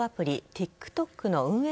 ＴｉｋＴｏｋの運営